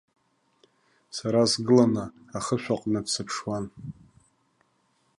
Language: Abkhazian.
Сара сгыланы ахышә аҟнытә сыԥшуан.